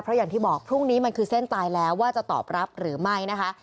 เพราะอย่างที่บอกพรุ่งนี้มันคือเส้นตายแล้วว่าจะตอบรับหรือไม่นะคะ